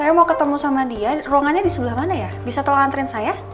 saya mau ketemu sama dia ruangannya di sebelah mana ya bisa tolong antren saya